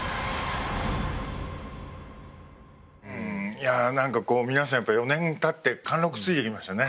いや何かこう皆さん４年たって貫禄ついてきましたね。